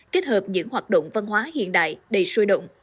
kết hợp những hoạt động văn hóa hiện đại đầy sôi động